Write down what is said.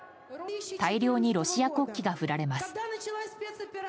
大量にロシア国旗が振られます。